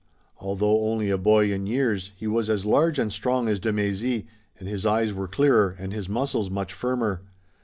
Although only a boy in years, he was as large and strong as de Mézy, and his eyes were clearer and his muscles much firmer.